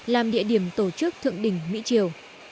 làm địa điểm tổ chức thượng đỉnh mỹ triều